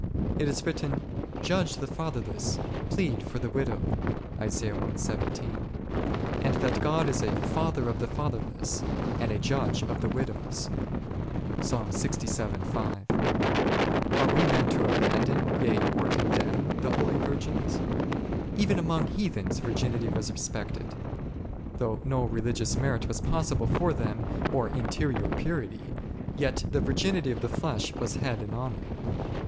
It is writ ten, judge the fatherless, plead for the widow' 1 , and that God is a Father of the fatherless, and a Judge of the widows^; are we then to abandon, yea, or condemn the holy virgins ? Even among heathens virginity was respected ; though no religious merit was possible for them, or interior purity, yet the virginity of the flesh was had in honour.